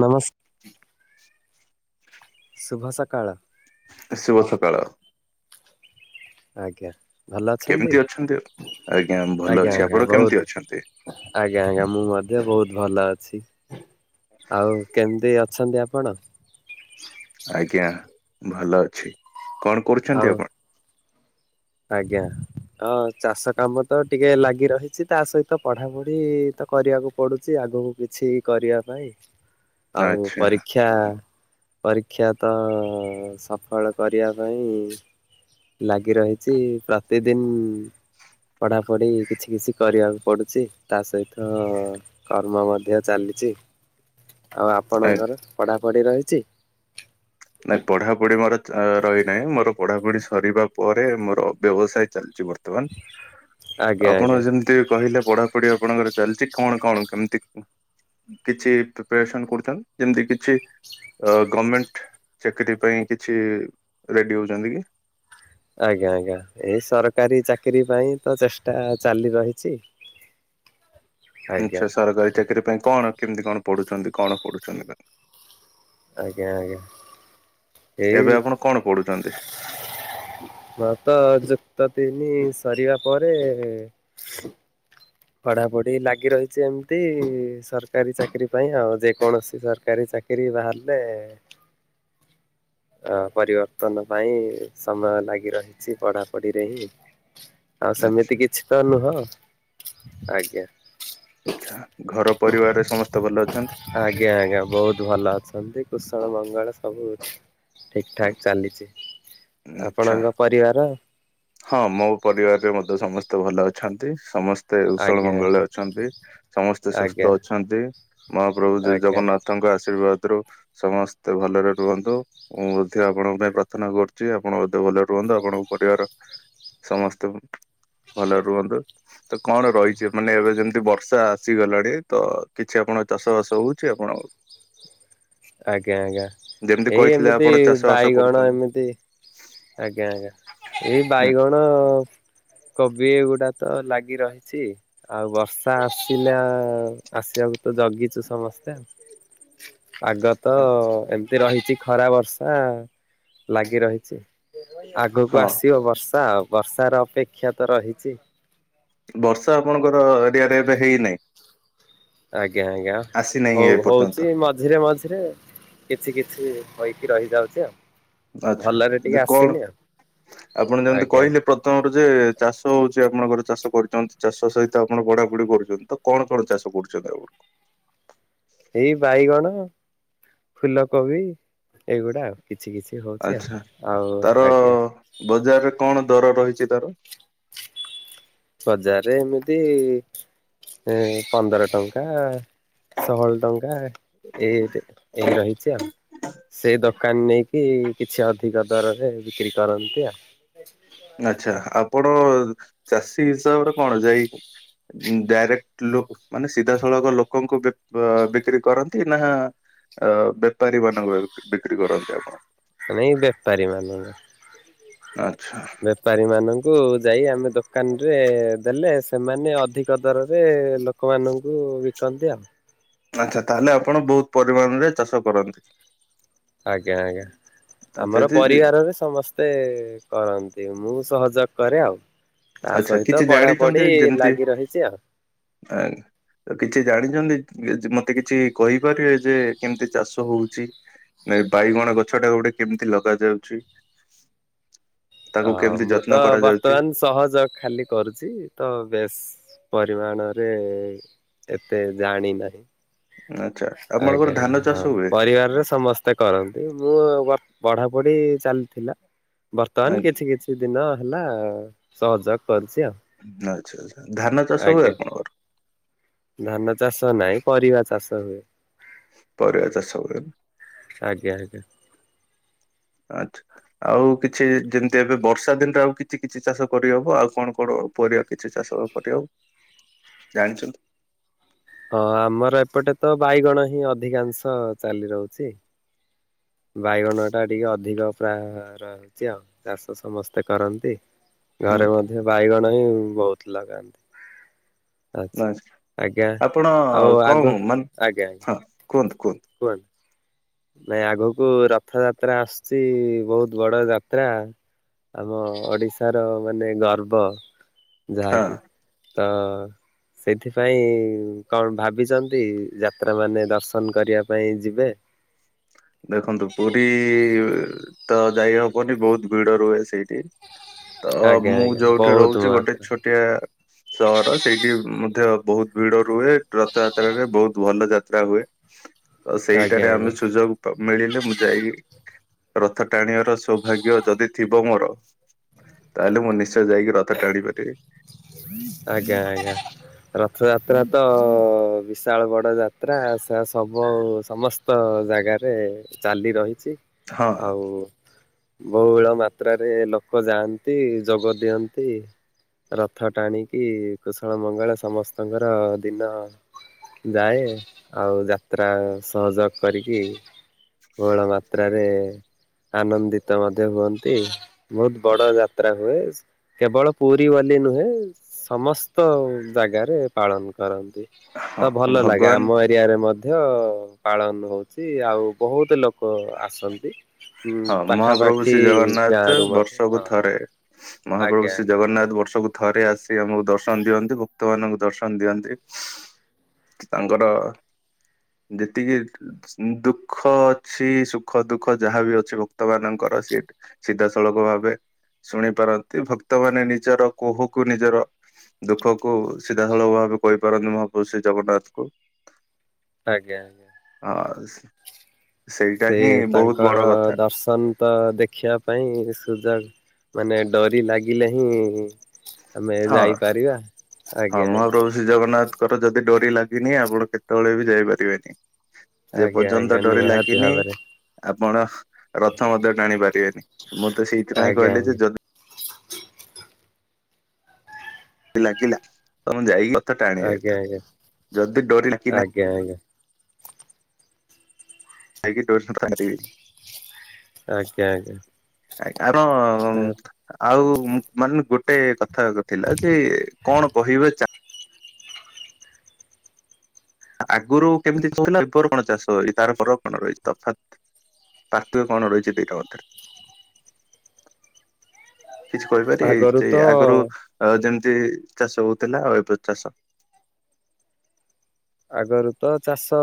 ନମସ୍ ଶୁଭ ସକାଳ ଶୁଭ ସକାଳ। ଆଜ୍ଞା। କେମିତି ଅଛନ୍ତି ଆଉ? ଆଜ୍ଞା ଆଜ୍ଞା ବହୁତ ଆଜ୍ଞା ଆଜ୍ଞା ମୁଁ ମଧ୍ୟ ବହୁତ ଭଲ ଅଛି ଆଉ କେମିତି ଅଛନ୍ତି ଆପଣ? ଆଜ୍ଞା ଭଲ ଅଛି କଣ ଆଉ କରୁଛନ୍ତି ଆପଣ? ଆଜ୍ଞା। ହଁ ଚାଷ କାମ ତ ଟିକେ ଲାଗି ରହିଛି ତା ସହିତ ପଢାପଢି ତ କରିବାକୁ ପଡୁଛି ଆଉ ଆଗକୁ କିଛି କରିବା ପାଇଁ ଆଉ ଆଚ୍ଛା ପରୀକ୍ଷା ପରୀକ୍ଷା ତ ସଫଳ କରିବା ପାଇଁ ଲାଗି ରହିଛି ପ୍ରତିଦିନି ପଢାପଢି କିଛି କିଛି କରିବାକୁ ପଡୁଛି ତା ସହିତ କର୍ମ ମଧ୍ୟ ଚାଲି ଚି ଆଉ ନାଇଁ ଆପଣଙ୍କର ପଢାପଢି ରହିଛି ନାଇଁ ପଢାପଢି ମୋର ଚା ରହିନାହିଁ ମୋର ପଢାପଢି ସରିବା ପରେ ମୋର ବ୍ୟବସାୟ ଚାଲି ଚି ବର୍ତ୍ତମାନ ଆଜ୍ଞା ଆପଣ ଆଜ୍ଞା ଯେମିତି କହିଲେ ପଢା ଢ଼ି ଆପଣଙ୍କର ଚାଲିଛି କଣ କଣ କେମିତି? କିଛି ପ୍ରିପରେସନ କରୁଛନ୍ ଯେମିତି କିଛି ଗମେଣ୍ଟ? ଚାକିରି ପାଇଁ କିଛି ରେଡି ହଉଛନ୍ତି କି ଆଜ୍ଞା ଆଜ୍ଞା ଏଇ ସରକାରୀ ଚାକିରି ପାଇଁ ତ ଚେଷ୍ଟା ଚାଲି ରହିଛି [inaudible] ଆଜ୍ଞା ଆଛା ସରକାରୀ ଚାକିରି ପାଇଁ କଣ କେମିତି କଣ ପଢୁଛନ୍ତି କଣ ପଢୁଛନ୍ତି ନା ଆଜ୍ଞା ଆଜ୍ଞା। ଏଇ ଏବେ ଆପଣ କଣ ପଢୁଛନ୍ତି? ବା ତ ଜଗତତି ସରିବା ପରେ ପଢାପଢି ଲାଗି ରହିଛି ଏମିତି ସରକାରୀ ଚାକିରି ପାଇଁ ଆଉ ଯେକୌଣସି ସରକାରୀ ଚାକିରି ବାହାରିଲେ ପରିବର୍ତ୍ତନ ପାଇଁ ସମୟ ଲାଗି ରହିଛି ପଢ଼ାପଢ଼ିରେ ହିଁ ଆଉ ଆଚ୍ଛା ସେମିତି କିଛି ତ ନୁହଁ ଆଜ୍ଞା ଆଛା ଘର ପରିବାରରେ ସମସ୍ତେ ଭଲ ଅଛନ୍ତି? ଆଜ୍ଞା ଆଜ୍ଞା ବହୁତ ଭଲ ଅଛନ୍ତି କୁଶଣ ବୁ ଜଙ୍ଗଳ ସବୁ ଠିକ ଠାକ ଚାଲିଛି। ଆଚ୍ଛା ଆପଣଙ୍କ ପରିବାର ହଁ ମୋ ପରିବାରରେ ମଧ୍ୟେ ସମସ୍ତେ ଭଲ ଅଛନ୍ତି। ସମସ୍ତେ ଉୁଶଳ ଆଜ୍ଞା ମଙ୍ଗଳରେ ଆଜ୍ଞା ଅଛନ୍ତି ସମସ୍ତେ ଆଜ୍ଞା ସୁସ୍ଥ ଅଛନ୍ତି। ମହାପ୍ରଭୁ ଆଜ୍ଞା ଜଗନ୍ନାଥଙ୍କ ଆଶୀର୍ବାଦ ସମସ୍ତେ ଭଲରେ ରୁହନ୍ତୁ ମୁଁ ମଧ୍ୟ ଆପଣଙ୍କ ପାଇଁ ପ୍ରାର୍ଥନା କରୁଛି ଆପଣ ବୋଧେ ଭଲରେ ରୁହନ୍ତୁ ଆପଣଙ୍କ ପରିବାର ସମସ୍ତେ ଭଲ ରୁହନ୍ତୁ ତ କଣ ରହିଛି ମାନେ ଏବେ ଯେମିତି ବର୍ଷା ଆସିଗଲାଣି ତ କିଛି ଆପଣ ଆପଣ ଚାଷବାସ ହଉଛି ଆପଣ [inaudible] ଆଜ୍ଞା ଆଜ୍ଞା ଯେମିତି ଏଇ କହିଥିଲେ ଏମିତି ଆପଣ ଚାଷ ବାସ ବାଇଗଣ କରୁଛନ୍ତି ଏମିତି ଆଜ୍ଞା ଆଜ୍ଞା ଏଇ ହୁଁ, ବାଇଗଣ କୋବି ଏଗୁଡା ତ ଲାଗି ରହିଛି ଆଉ ବର୍ଷା ଆସିଲା ଆସିବାକୁ ତ ଜଗିଛୁ ସମସ୍ତେ। ପାଗ ତ ଏମିତି ରହିଛି ଖରା ବର୍ଷା ଲାଗି ରହିଛି। ଆଗକୁ ହଁ ଆସିବ ବର୍ଷା ଆଉ ବର୍ଷ ର ଅପେକ୍ଷା ତ ରହିଛି। ବର୍ଷା ଆପଣଙ୍କର ଏରିଆରେ ଏବେ ହେଇନାହିଁ। ଆଜ୍ଞା ଆଜ୍ଞା ଆସିନାହିଁ ଏ ହଉ ପର୍ଯ୍ୟନ୍ତ ହଉଚ ମଝିରେ ମଝିରେ କିଛି କିଛି ହୋଇକି ରହିଯାଉଛି ଆଉ ଆଚ୍ଛା। ଭଲରେ ଯେ ଟିକେ କଣ ଆସିନି ଆଉ। ଆପଣ ଯେମିତି ଆଜ୍ଞା କହିଲେ ପ୍ରଥମରୁ ଯେ ଚାଷ ହଉଛି ଆପଣଙ୍କର ଚାଷ କରୁଛନ୍ତି ଚାଷ ସହିତ ଆପଣ ପଢାପଢି କରୁଛନ୍ତି ତ କଣ କଣ ଚାଷ କରୁଛନ୍ତି ଏଗୁକୁ ଏଇ ବାଇଗଣ ଫୁଲକୋବି ଏଇଗୁଡା ଆଉ। କିଛି କିଛି ହଉଛି ଆଉ ଆଛା ଆଉ ତାର ଆଜ୍ଞା ବଜାରରେ କଣ ଦର ରହିଛି ତାର। ବଜାରରେ ଏମିତି ପନ୍ଦର ଟଙ୍କା ଷୋହଳ ଟଙ୍କା ଏଇ ଏଇ ରହିଛି ଆଉ। ସେ ଦୋକାନ ନେଇକି କିଛି ଅଧିକ ଦରରେ ବିକ୍ରି କରନ୍ତି ଆଉ। ଆଛା ଆପଣ ଚାଷୀ ହିସାବରେ କଣ ଯାଇି ଡାଇରେକ୍ଟ ଲ ମାନେ ସିଧାସଳଖ ଲୋକଙ୍କୁ ବିକ୍ରି କରନ୍ତି ନା ଅ ବେପାରୀ ମାନଙ୍କୁ ବିକ୍ରି କରନ୍ତି ଆପଣ। ମାନେ ଏଇ ବେପାରୀ ମାନଙ୍କ ଆଚ୍ଛା। ବେପାରୀମାନଙ୍କୁ ଯାଇ ଆମେ ଦୋକାନରେ ଦେଲେ ସେମାନେ ଅଧିକ ଦରରେ ଲୋକମାନଙ୍କୁ ବିକନ୍ତି ଆଉ। ଆଛା ତାହେଲେ ଆପଣ ବହୁତ ପରିମାଣରେ ଚାଷ କରନ୍ତି। ଆଜ୍ଞା ଆଜ୍ଞା। ଆଚ୍ଛା ଆମର ଯଦି ପରିବାରରେ ସମସ୍ତେ କରନ୍ତି ମୁଁ ସହଯୋଗ କରେ ଆଉ। ତା ଆଚ୍ଛା ସହିତ କିଛି ପଢାପଢି ଲାଗି ରହିଛି ଆଉ। ଆ ତ କିଛି ଜାଣିଛନ୍ତି। ମତେ କିଛି କହିପାରିବେ ଯେ କେମିତି ଚାଷ ହଉଛି। ନାଇ ବାଇଗଣ ଗଛ ଟା ଗୋଟେ କେମିତି ଲଗ ଯାଉଛି। [inaudible] ଅ ମୁଁ ତ କରାଯାଉଛି? ବର୍ତ୍ତମାନ ସହଜ। ଖାଲି କରୁଛି ତ ବେଶ୍। ପରିମାଣରେ ଏତେ ଜାଣିନାହିଁ। ଆଚ୍ଛା ଆପଣଙ୍କର ଆଜ୍ଞା ଧାନ ଆଜ୍ଞା ହଁ ଚାଷ ହୁଏ? ପରିବାରରେ ସମସ୍ତେ କରନ୍ତି। ମୁଁ ବର୍ ପଢାପଢି ଚାଲିଥିଲା ବର୍ତ୍ତମାନ କିଛି କିଛି ଦିନ ହେଲା ସହଯୋଗ କରିଛି ଆଉ। ଆଛା ଧାନ ଚାଷ ହୁଏ ଆଜ୍ଞା। ଆପଣଙ୍କର। ଧାନ ଚାଷ ନାଇଁ ପରିବା ଚାଷ ହୁ ପରିବା ଚାଷ ହୁଏ। ଆଜ୍ଞା [inaudible] ଆଜ୍ଞା। ଆଚ୍ଛା ଆଉ କିଛି ଯେମିତି ଏବେ ବର୍ଷା ଦିନରେ ଆଉ କିଛି କିଛି ଚାଷ କରିହବ ଆଉ କଣ କଣ ପରିବା କିଛି ଚାଷ କରିହବ ଜାଣିଛନ୍ତି? ହଁ ଆମର ଏପଟେ ତ ବାଇଗଣ ହିଁ ଅଧିକାଂଶ ଚାଲି ରହୁଛି। ବାଇଗଣ ଟା ଟିକେ ଅଧିକ ପ୍ରାୟ ରହୁଛି ଆଉ ଚାଷ ସମସ୍ତେ କରନ୍ତି। ଘରେ ମଧ୍ୟ ବାଇଗଣ ହିଁ ବହୁତ ଲଗାନ୍ତି। [inaudible] ନାଇଁ ଆଜ୍ଞା ଆପଣ ଆଉ କଣ ଆଗକୁ ମାନ ଆଜ୍ଞା ଆଜ୍ଞା ହଁ କୁହନ୍ତୁ କୁହନ୍ତୁ। ନାଇଁ ଆଗକୁ ରଥ ଯାତ୍ରା ଆସୁଛି ବହୁତ ବଡ ଯାତ୍ରା। ଆମ ଓଡିଶାର ମାନେ ଗର୍ବ ହଁ। ଯାହାକି ହଁ। ସେଥିପାଇଁ କଣ ଭାବିଛନ୍ତି ଯାତ୍ରା ମାନେ ଦର୍ଶନ କରିବା ପାଇଁ ଯିବେ। ଦେଖନ୍ତୁ ପୁରୀ ତ ଯାଇହବନି ବହୁତ ଭିଡ ରୁହେ ସେଇଠି। ତ ଆଜ୍ଞା ମୁଁ ଆଜ୍ଞା ଯୋଉଠି ବହୁତ ରହୁଛି ଗୋଟେ ମାତ୍ରା ଛୋଟିଆ ସହର ସେଇଠି ମଧ୍ୟ ବହୁତ ଭିଡ ରୁହେ ରଥଯାତ୍ରାୁ ବହୁତ ଭଲ ଯାତ୍ରା ହୁଏ। ହୁଁ ଆଉ ସେଇଟାରେ ଆମେ ସୁଯୋଗ ମିଳିଲେ ମୁଁ ଯାଇ ରଥ ଟାଣିବାର ସୌଭାଗ୍ୟ ଯଦି ଥିବ ମୋର। ତାହେଲେ ମୁଁ ନିଶ୍ଚୟ ଯାଇକି ରଥ ଟାଣିପାରିବି। [inaudible] ଆଜ୍ଞା ଆଜ୍ଞା। ରଥଯାତ୍ରା ତ ବିଶାଳ ବଡ଼ ଯାତ୍ରା ସେ ସବୁ ସମସ୍ତ ଜାଗାରେ ଚାଲି ରହିଛି। ହଁ ଆଉ ବହୁଳ ମାତ୍ରାରେ ଲୋକ ଯାଆନ୍ତି ଯୋଗ ଦିଅ ତି ରଥ ଟାଣିକି କୁଶଳ ମଙ୍ଗଳ ସମସ୍ତଙ୍କର ଦିନ ଯାଏ ଆଉ ଯାତ୍ରା ସହଯୋଗ କରିକି ବୋହୁଳ ମାତ୍ରାରେରେ ଆନନ୍ଦିତ ମଧ୍ୟ ହୁଅନ୍ତି ବହୁତ ବଡ ଯାତ୍ରା ହୁଏ। କେବଳ ପୁରୀ ବୋଲି ନୁହେଁ ସମସ୍ତ ଜାଗାରେ ପାଳନ କରନ୍ତି। ହଁ ତ ଭଲ ଲାଗେ ଭଗବାନ ଆମ ଏରିଆରେ ମ ମଧ୍ୟ ପାଳନ ହଉଛି ଆଉ ବହୁତ ଲୋକ ଆସନ୍ତି। ହୁଁ ହଁ ମହାପ୍ରଭୁ ପାଖାପାଖି ଶ୍ରୀ ଗାଁ ଜଗନ୍ନାଥ ରୁ ମଧ୍ୟ ବର୍ଷକୁ ହଁ ଥରେ ମହାପ୍ରଭୁ ଆଜ୍ଞା ଶ୍ରୀ ଆଜ୍ଞା ଜଗନ୍ନାଥ ବର୍ଷକୁ ଥରେ ଆସି ଆମକୁ ଦର୍ଶନ ଦିଅନ୍ତି ଭକ୍ତ ମାନଙ୍କୁ ଦର୍ଶନ ଦିଅନ୍ତି [inaudible] ତାଙ୍କର ଯେତିକି ଦୁଃଖ ଅଛି ସୁଖ ଦୁଃଖ ଯାହାବି ଅଛି। ଭକ୍ତ ମାନଙ୍କର ସି ସିଧାସଳଖ ଭାବେ ଶୁଣି ପାରନ୍ତି ଭକ୍ତମାନୋନ ନିଜର କୋହକୁ ନିଜର ଦୁଃଖ କୁ ସିଧାସଳଖ ଭାବେ କହିପାରନ୍ତି ମହାପ୍ରଭୁ ଶ୍ରୀ ଜଗନ୍ନାଥ କୁ ଆଜ୍ଞା। ହଁ ସେ [inaudible] ସେଇଟା ହିଁ ବହୁତ ବଡ କଥା। ସନ୍ତ ଦେଖିବା ପାଇଁ ସୁଯୋଗ ମାନେ ଡରି ଲାଗିଲେ ହିଁ ଆମେ ହଁ ଯାଇପାରିବା ଆଜ୍ଞା ଆଜ୍ଞା। ଙ୍କର ଯଦି ଡୋରି ଲାଗିନି ଆପଣ କେତେବେଳେ ବି ଯାଇପାରିବେନି। ଯେ ଆଜ୍ଞା ଆଜ୍ଞା ପର୍ଯ୍ୟନ୍ତ ନିହାତି ଡୋରିଲାଗିନି ଭାବରେ ଆ ଆପଣ ରଥ ମଧ୍ୟ ଟାଣି ପାରିବେନି। ମୁଁ ତ ସେଇଥିପାଇଁ ଆଜ୍ଞା କହିଲି ଯେ ଆଜ୍ଞା ଯଦି ଲାଗିଲା ତମେ ଯାଇକି ରଥ ଟାଣିବା ଆଜ୍ଞା କଥା ଆଜ୍ଞା ଯଦି ଡୋରିଲାଗି ନାହିଁ ଆଜ୍ଞା ଆଜ୍ଞା। ଯାଇକି [unintelligible] ଆଜ୍ଞା ଆଜ୍ଞା ଆ ଆର ଆଉ ମାନେ ଗୋଟେ କଥା ଥିଲା ଯେ କଣ କହିବେ ଚା ଆଗରୁ କେମିତି ଚାଷ ଥିଲା ଏବେର କଣ ଚାଷ ଅଛି ତାର ପରକ କଣ ରହିଛି ତଫାତ୍ ପାର୍ଥକ୍ କଣରହିଛି ଦିଇଟା ଭିତରେ? [unintelligible] କିଛି କହିପାରିବେ ଆଗରୁ ଯେ ତ ଆଗରୁ ଯେମ ଯେ ଚାଷ ହଉଥିଲା ଆଉ ଏବେର ଚାଷ? ଆଗରୁ ତ ଚାଷ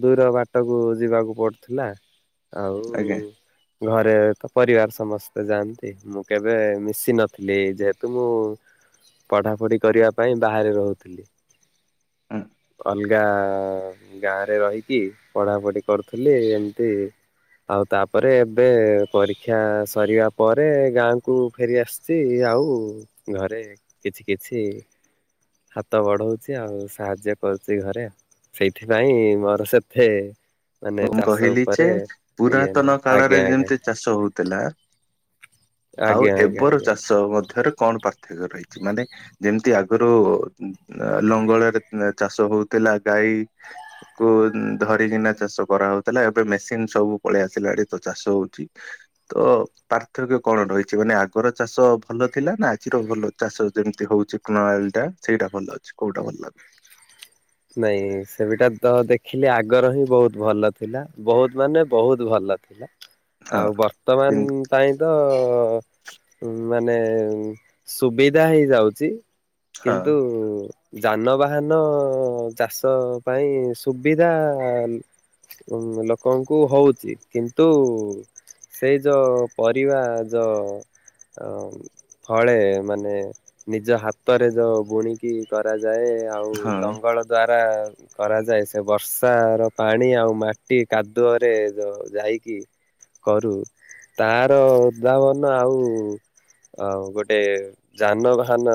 ଦୂର ବାଟକୁ ଯିବାକୁ ପଡୁଥିଲା। ଆଉ ଆଜ୍ଞା। ଘରେ ତ ପରିବାର ସ ସମସ୍ତେ ଯାଆନ୍ତି ମୁଁ କେବେ ମିଶି ନଥିଲି ଯେହେତୁ ମୁଁ ପଢ଼ାପଢ଼ି କରିବା ପାଇଁ ବାହାରେ ରହୁଥିଲି। ହୁଁ ଅଲଗା ଗାଁରେ ରହିକି ପଢାପଢି କରୁଥିଲି ଏମିତି ଆଉ ତାପରେ ଏବେ ପରୀକ୍ଷା ସରିବା ପରେ ଗାଁ କୁ ଫେରି ଆସିଛି। ଆଉ ଘରେ କିଛି କିଛି ହାତ ବଢ଼ଉଛି ଆଉ ସାହାଯ୍ୟ କରୁଛି ଘରେ ସେଇଥିପାଇଁ ମୋର ସେତେ ମାନେ ମୁଁ ଚାଷ କହିଲି ଯେ ଉପରେ ଇଏ ପୁରାତନ ନାହିଁ କାଳରେ ଆଜ୍ଞା ଆଜ୍ଞା। ଯେମିତି ଚାଷ ହଉଥିଲା ଆଉ ଆଜ୍ଞା ଆଜ୍ଞା ଏବେ ର ଆଜ୍ଞା ଚାଷ ମଧ୍ୟରେ କଣ ପାର୍ଥକ୍ୟ ରହିଛି ମାନେ ଯେମିତି ଆଗ ରୁ ଲଙ୍ଗଳରେ ଚାଷ ହଉଥିଲା ଗାଈ ଙ୍କୁ ଧରିକିନା ଚାଷ କରାହଉଥିଲା ଏବେ ମେସିନ ସବୁ ପଳେଇଆସିଲାଣି ତ ଚାଷ ହଉଛି ତ ପାର୍ଥକ୍ୟ କଣ? ରହିଛି ମାନେ ଆଗର ଚାଷ ଭଲ ଥିଲା ନା ଆଜିର ଭଲ ଚାଷ ଯେମିତି ହଉଛି ପ୍ରଣାଳୀଟା ସେଇଟା ଭଲ? ଅଛି କୋଉଟା ଭଲ ଲାଗୁ [inaudible] ନାଇଁ ସେବେଟା ତ ଦେଖିଲି ଆଗର ହିଁ ବହୁତ୍ ଭଲ ଥିଲା ବହୁତ୍ ମାନେ ବହୁତ୍ ଭଲ। ଲ ହଁ। ଆଉ କିନ୍ତୁ ବର୍ତ୍ତମାନ ପାଇଁ ତ ଅ ମାନେ ସୁବିଧା ହେଇଯାଉଛି। ହଁ କିନ୍ତୁ ଯାନବାହାନ ଅ ଚାଷ ପାଇଁ ସୁବିଧା। ଉଁ ଲୋକଙ୍କୁ ହଉଛି କିନ୍ତୁ ସେଜ ପରିବା ଜ ଅ ଫଳେ ମାନେ ନିଜ ହାତରେ ଯଉ ବୁଣିକି କରାଯ। ଯାଏ ଆଉ ହଁ ଲଙ୍ଗଳ [unintelligible] କରାଯାଏ ସେ ବର୍ଷାର ପାଣି ଆଉ ମାଟି କାଦୁଅରେ ଯଉ ଯାଇ କରୁ ତାର ଉଦ୍ଭାବନ ଆଉ ଆଉ ଗୋଟେ ଯାନବାହାନ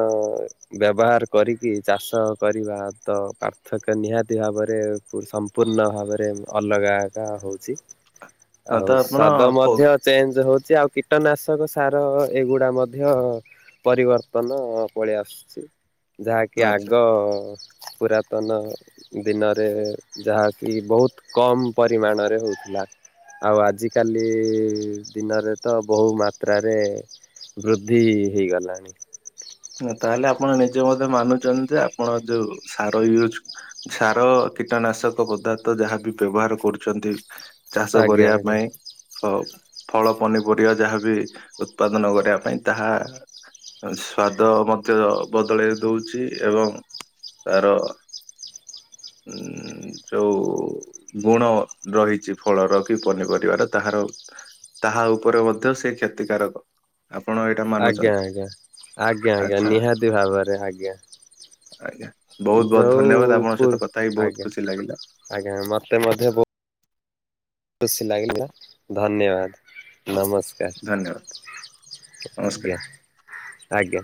ବ୍ୟବହାର କରିକି ଚାଷ କରିବା। ହଁ ତ ପାର୍ଥକ୍ୟ ନିହାତି ଭାବରେ ସମ୍ପୂର୍ଣ୍ଣ ଭାବରେ ଅଲଗାଟା ହଉଛି। ହଁ ଆଉ ତ ଆପଣ ସ୍ଵାଦ କ ମଧ୍ୟ ଚେଞ୍ଜ ହଉ ସେ ଆଉ କୀଟନାଶକ ସାର ଏଗୁଡ଼ା ମଧ୍ୟ ପରିବର୍ତ୍ତନ ପଳେଇ ଆସୁଛି ଯାହାକି ଆଗ ଆଚ୍ଛା ପୁରା ନୂର୍ତନ ଦିନରେ ଯାହାକି ବହୁତ କମ୍ ପରିମାଣରେ ହଉଥିଲା। ଆଉ ଆଜିକାଲି ଦିନରେ ତ ବହୁ ମାତ୍ରାରେ ବୃଦ୍ଧି ହେଇଗଲାଣି। ନା ତାହେଲେ ଆପଣ ନିଜେ ମଧ୍ୟ ମାନୁଛନ୍ତି ଯେ ଆପଣ ଯୋଉ ସାର ୟୁଜ ସାର କୀଟନାଶକ ପଦାର୍ଥ ଯାହାବି ବ୍ୟବହାର କରୁଛନ୍ତି। ଚାଷ ଆଜ୍ଞା କରିବା ଆଜ୍ଞା ପାଇଁ ଅ ଫଳ ପନିପରିବା ଯାହାବି ଉତ୍ପାଦନ କରିବା ପାଇଁ ତାହା ସ ପାଦ ମଧ୍ୟ ବଦଳେଇ ଦଉଛି ଏବଂ ତାର [inaudible] ଉଁ ଯୋଉ ଗୁଣ ରହିଛି ଫଳର କି ପନିପରିବାର ତାହାର ତାହା ଉପରେ ମଧ୍ୟ ସେ କ୍ଷତିକାରକ। ଆପଣ ଏଇଟା ଆଜ୍ଞା! ମାନୁଛନ୍ତି ଆଜ୍ଞା! ଆଜ୍ଞା! ଆଜ୍ଞା! ଆଚ୍ଛା ନିହାତି ଭାବରେ ଆଜ୍ଞା। ଆଜ୍ଞା! ବହୁତ ବହୁତ ଧନ୍ୟବାଦ। ଯୋଉ ଆପଣଙ୍କ ପୁ ସହିତ କଥା ହେ ବହୁତ ଆଜ୍ଞା ଖୁସି ଲାଗିଲା। ଆଜ୍ଞା ମତେ ମଧ୍ୟ ବ ଖୁସି ଲାଗିଲା। ଧନ୍ୟବାଦ ନମସ୍କ ଧନ୍ୟବାଦ ଆର। ନମସ୍କାର। ଆଜ୍ଞା! ଆଜ୍ଞା!